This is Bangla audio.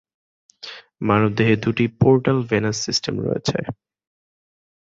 মানবদেহে দুটি পোর্টাল ভেনাস সিস্টেম রয়েছে।